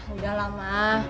udah lah ma